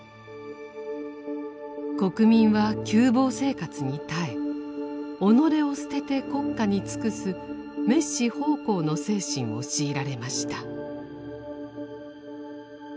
国民は窮乏生活に耐え己を捨てて国家に尽くす滅私奉公の精神を強いられました。